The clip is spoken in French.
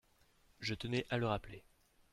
Je tenais à le rappeler.